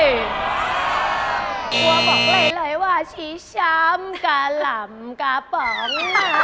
กลัวบอกหลายว่าชี้ช้ำกะหล่ำกาป๋อง